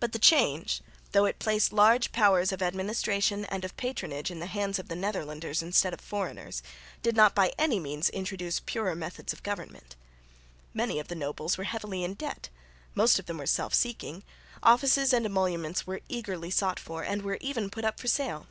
But the change, though it placed large powers of administration and of patronage in the hands of Netherlanders instead of foreigners, did not by any means introduce purer methods of government. Many of the nobles were heavily in debt; most of them were self seeking; offices and emoluments were eagerly sought for, and were even put up for sale.